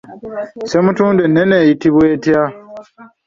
Ssemutundu ennene eyitibwa etya?